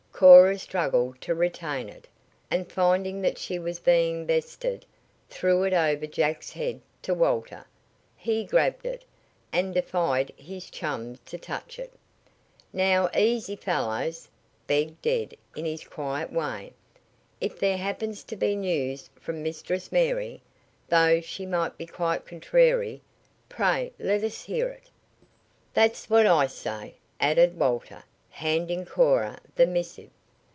Cora struggled to retain it, and finding that she was being bested, threw it over Jack's head to Walter. He grabbed it, and defied his chum to touch it. "Now, easy, fellows," begged Ed in his quiet way. "If there happens to be news from Mistress Mary, though she be quite contrary, pray let us hear it." "That's what I say," added Walter, handing Cora the missive.